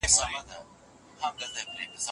څه ستونزه ده که نجلۍ تر هلک مشره وي؟